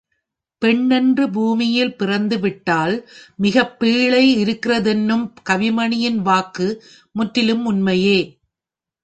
பெண்ணென்று பூமியில் பிறந்துவிட்டால் மிகப் பீழை இருக்கிறதென்னும் கவிமணியின் வாக்கு முற்றிலும் உண்மையே!